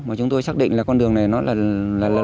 mà chúng tôi xác định là con đường này nó là lớn hơn